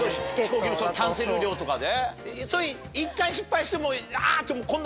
飛行機のキャンセル料とかで？